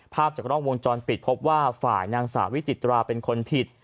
ภาพจากกล้องวงจรปิดพบว่าฝ่ายนางสาววิจิตราเป็นคนผิด